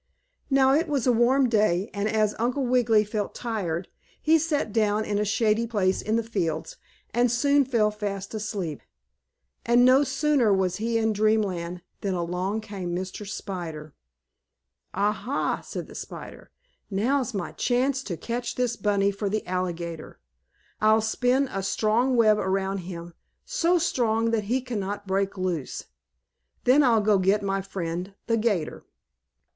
Now, it was a warm day, and, as Uncle Wiggily felt tired, he sat down in a shady place in the fields, and soon fell fast asleep. And, no sooner was he in Dreamland than along came Mr. Spider. "Ah, ha!" said the spider. "Now's my chance to catch this bunny for the alligator. I'll spin a strong web around him, so strong that he cannot break loose. Then I'll go get my friend, the 'gator."